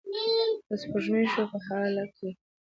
که سپوږمۍ شوه په هاله کې